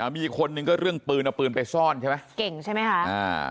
มีคนหนึ่งก็เรื่องปืนเอาปืนไปซ่อนใช่ไหมเก่งใช่ไหมคะอ่า